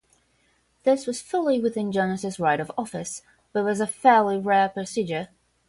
This was fully within Jonas' right of office, but was a fairly rare procedure.